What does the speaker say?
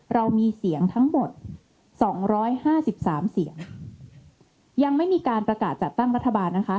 เรามีเสียงทั้งหมดสองร้อยห้าสิบสามเสียงยังไม่มีการประกาศจัดตั้งรัฐบาลนะคะ